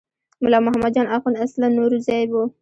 ملا محمد جان اخوند اصلاً نورزی و.